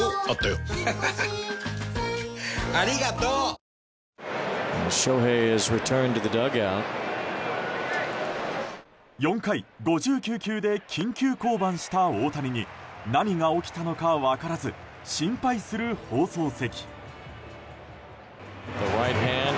脂肪に選べる「コッコアポ」４回５９球で緊急降板した大谷に何が起きたのか分からず心配する放送席。